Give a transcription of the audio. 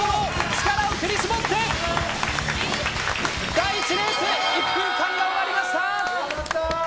第１レース１分間が終わりました！